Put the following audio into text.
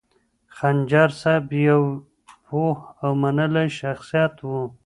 خنجر صاحب یو پوه او منلی شخصیت و.